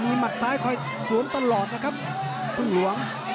มีม่ดซ้ายควอยสวนตลอดครับคุณหลวง